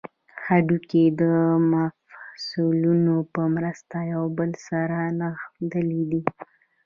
هډوکي د مفصلونو په مرسته یو بل سره نښلیدلي دي